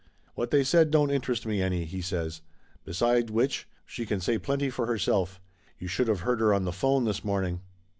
"What they said don't interest me any," he says. "Beside which, she can say plenty for herself. You should of heard her on the phone this morning!"